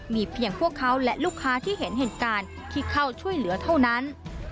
มีเพียงพวกเขาและลูกค้าที่เห็นเหตุการณ์ที่เข้าช่วยเหลือเท่านั้น